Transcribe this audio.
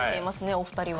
お二人は。